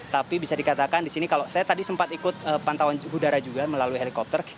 tapi bisa dikatakan di sini kalau saya tadi sempat ikut pantauan udara juga melalui helikopter